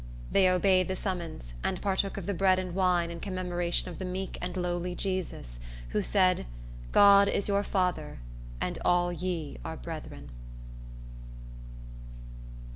They obeyed the summons, and partook of the bread and wine, in commemoration of the meek and lowly Jesus, who said, "God is your Father, and all ye are brethren."